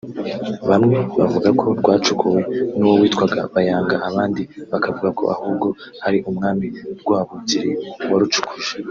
Bamwe bavuga ko rwacukuwe n’uwo witwaga "Bayanga" abandi bakavuga ko ahubwo ari umwami Rwabugiri warucukuje